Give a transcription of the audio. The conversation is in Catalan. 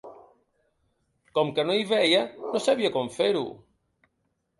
Com que no hi veia, no sabia com fer-ho.